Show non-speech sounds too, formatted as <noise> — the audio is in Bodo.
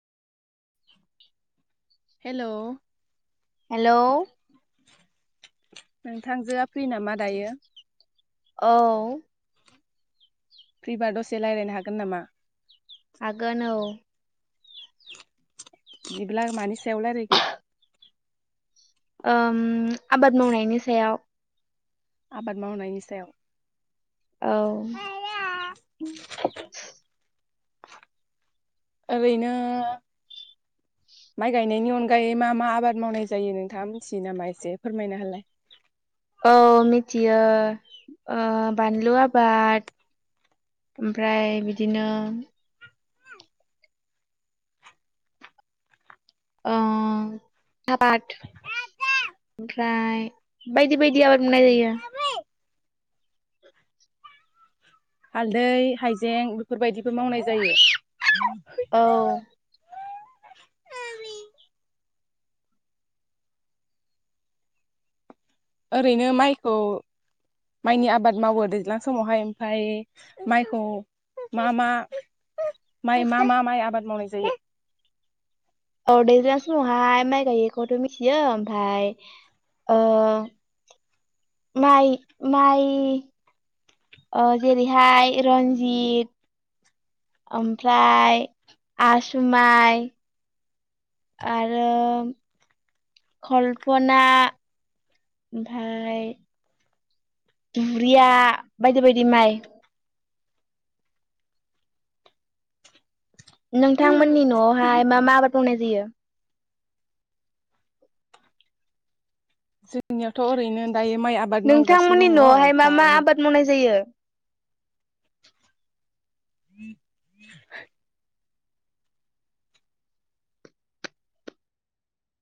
हेल'? हेल'? नोंथांजोआ फै नामा दायो? औ। फ्रिबार दसे रायज्लायनो हागोन नामा? हागोन औ। बिदिब्ला मानि सायाव रायलायगोन? <inaudible> ओम आबाद मावनायनि सायाव। आबाद मावनायनि सायाव? औ <unintelligible> <inaudible> ओरैनो माइ गायनायनि अनगायै मा मा आबाद मावनाय जायो नोंथाङा मिथियो नामा एसे फोरमायना होलाय औ मिथियो ओ बानलु आबाद। ओमफ्राय बिदिनो ओ ओ साफाद ओमफ्राय बायदि बायदि आबाद मावनाय जायो। हालदै हाइजें बेफोरबायदिबो मावनाय जायो <unintelligible> औ ओरैनो माइखौ माइनि आबाद मावो दैज्लां समावहाय ओमफाय माइखौ मा मा माइ मा मा माइ आबाद मावनाय जायो? औ दैज्लां समावहाय माइ गायैखौथ' मिथियो ओमफ्राय ओ माइ माइ ओ जेरैहाय रनजित ओमफ्राय आसुमाइ आरो कल्पना ओमफाय दुब्रिया बायदि बायदि माइ नोंथांमोननि न'आवहाय मा मा आबाद मावनाय जायो? जोंनियावथ' ओरैनो दायो माइ आब नोंथां मोननि न'आवहाय मा मा आबाद मावनाय जायो? <inaudible>